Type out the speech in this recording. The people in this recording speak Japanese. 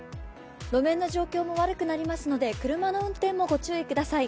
路面の状況も悪くなりますので車の運転もご注意ください。